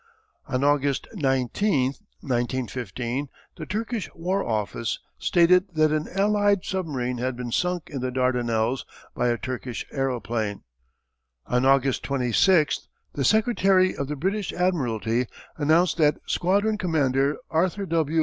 "On August 19, 1915, the Turkish War Office stated that an Allied submarine had been sunk in the Dardanelles by a Turkish aeroplane. "On August 26, the Secretary of the British Admiralty announced that Squadron Commander Arthur W.